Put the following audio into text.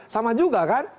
sama juga kan